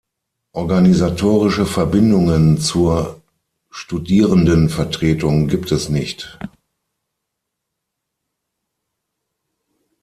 Organisatorische Verbindungen zur Studierendenvertretung gibt es nicht.